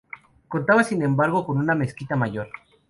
Contaba sin embargo con una mezquita mayor.